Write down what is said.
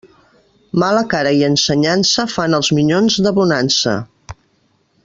Mala cara i ensenyança fan els minyons de bonança.